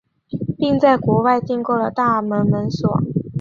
并在国外订购了大门门锁。